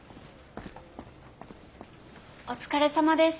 お疲れさまです。